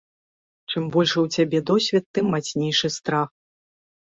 Чым большы ў цябе досвед, тым мацнейшы страх.